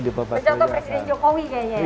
bercontoh presiden jokowi kayaknya ya